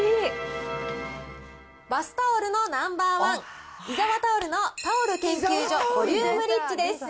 バスタオルのナンバーワン、伊澤タオルのタオル研究所ボリュームリッチです。